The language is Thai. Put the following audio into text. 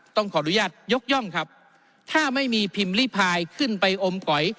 ต้องขออนุญาตยกย่องครับถ้าไม่มีพิมพ์ลิพายขึ้นไปอมก๋อย